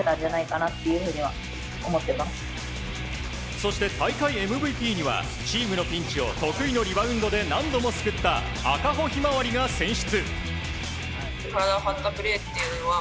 そして大会ＭＶＰにはチームのピンチを得意のリバウンドで何度も救った赤穂ひまわりが選出。